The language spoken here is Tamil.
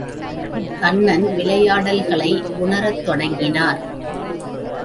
கண்ணன் விளையாடல்களை உணரத் தொடங்கினார்.